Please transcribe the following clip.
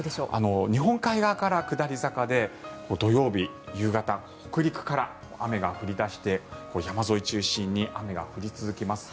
日本海側から下り坂で土曜日、夕方北陸から雨が降り出して山沿い中心に雨が降り続きます。